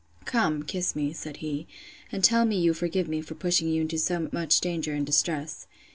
Come, kiss me, said he, and tell me you forgive me for pushing you into so much danger and distress.